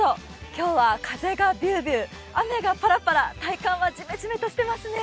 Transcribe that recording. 今日は風がびゅーびゅー、雨がパラパラ、体感はジメジメとしてますね。